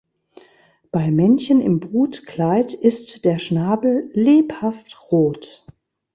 Bei Männchen im Brutkleid ist der Schnabel lebhaft rot.